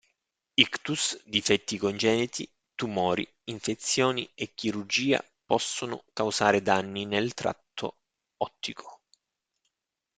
Ictus, difetti congeniti, tumori, infezioni e chirurgia possono causare danni nell tratto ottico.